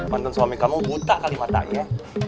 mantan suami kamu buta kali matanya